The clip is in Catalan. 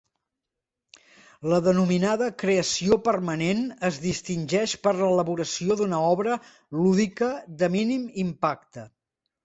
La denominada 'Creació permanent' es distingeix per l'elaboració d'una obra lúdica de mínim impacte.